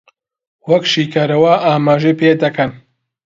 وەک شیکەرەوە ئاماژەی پێ دەکەن